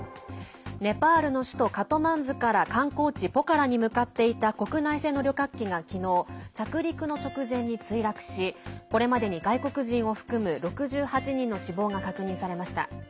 ネパールの首都カトマンズから観光地ポカラに向かっていた国内線の旅客機が昨日着陸の直前に墜落しこれまでに外国人を含む６８人の死亡が確認されました。